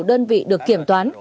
đơn vị được kiểm toán